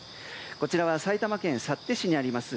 こちらは埼玉県幸手市にあります